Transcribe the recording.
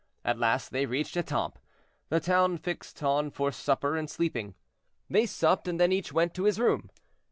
At last they reached Etampes, the town fixed on for supper and sleeping. They supped, and then each went to his room.